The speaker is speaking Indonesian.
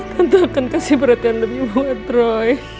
tentu akan kasih perhatian lebih buat roy